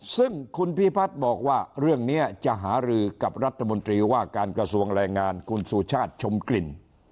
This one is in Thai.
ซึ่งคุณพิพัฒน์บอกว่าเรื่องนี้จะหารือกับรัฐมนตรีว่าการกระทรวงแรงงานคุณสุชาติชมกลิ่น